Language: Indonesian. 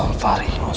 ola ilmiah engaima